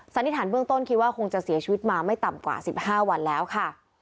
สันนิษฐานเบื้องต้นคิดว่าคงจะเสียชีวิตมาไม่ต่ำกว่า๑๕วันแล้วค่ะ